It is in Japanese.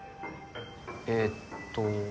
えっと